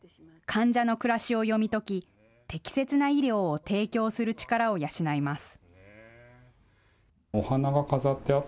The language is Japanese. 患者の暮らしを読み解き適切な医療を提供する力を養います。